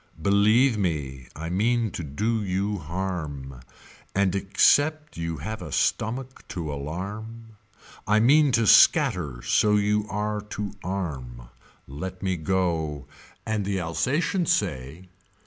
Believe me I mean to do you harm. And except you have a stomach to alarm. I mean to scatter so you are to arm. Let me go. And the Alsatians say.